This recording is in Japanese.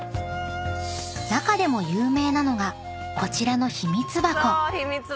［中でも有名なのがこちらの］